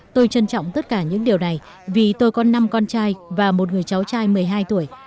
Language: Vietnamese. tôi trân trọng tất cả những điều này vì tôi có năm con trai và một người cháu trai một mươi hai tuổi